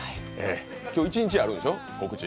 今日、一日あるんでしょ、告知。